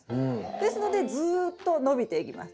ですのでずっと伸びていきます。